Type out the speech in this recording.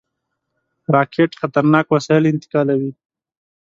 راکټ خطرناک وسایل انتقالوي